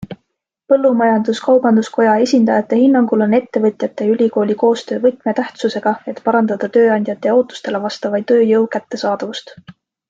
Põllumajandus-Kaubanduskoja esindajate hinnangul on ettevõtjate ja ülikooli koostöö võtmetähtsusega, et parandada tööandjate ootustele vastava tööjõu kättesaadavust.